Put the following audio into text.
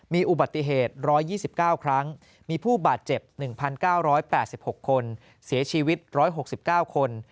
มีอุบัติเหตุ๑๒๙ครั้งมีผู้บาดเจ็บ๑๙๘๖คนเสียชีวิต๑๖๙คน